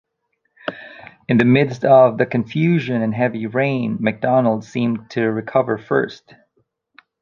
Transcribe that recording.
In the midst of the confusion and heavy rain, MacDonald seemed to recover first.